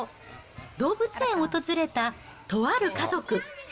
動物園を訪れたとある家族。